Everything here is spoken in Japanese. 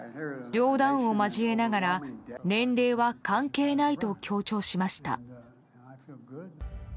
冗談を交えながら年齢は関係ないと強調しました。